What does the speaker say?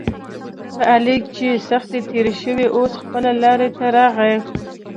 په علي چې سختې تېرې شولې اوس خپله لارې ته راغی.